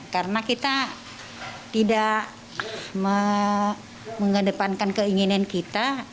karena kita tidak mengedepankan keinginan kita